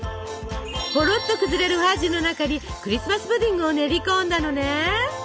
ほろっと崩れるファッジの中にクリスマス・プディングを練り込んだのね！